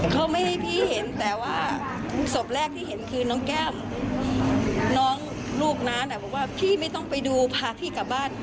เขาไม่ให้พี่เห็นแต่ว่าศพแรกที่เห็นคือน้องแก้มน้องลูกน้าน่ะบอกว่าพี่ไม่ต้องไปดูพาพี่กลับบ้าน